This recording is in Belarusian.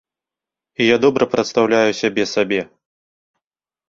І я добра прадстаўляю сябе сабе.